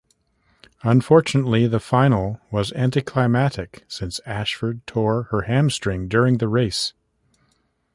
Unfortunately, the final was anticlimactic since Ashford tore her hamstring during the race.